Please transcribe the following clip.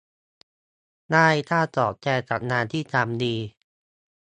ได้ค่าตอบแทนจากงานที่ทำดี